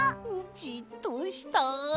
じっとしたい。